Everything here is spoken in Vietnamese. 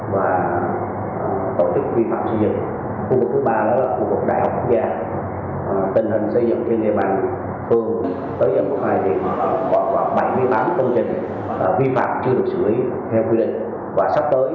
và vi phạm về việc chứng đất của nhà nước trực tiếp quản lý và phương đảng đặc biệt tháo dỡ xử lý các hộ vi phạm trên khu vực này